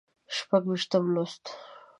شپږ ویشتم لوست